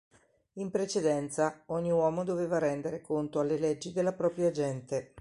In precedenza, ogni uomo doveva rendere conto alle leggi della propria gente.